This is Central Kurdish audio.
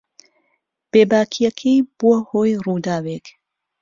بێباکییەکەی بووە هۆی ڕووداوێک.